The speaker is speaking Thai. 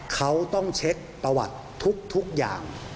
เขาต้องเช็คประวัติทุกอย่าง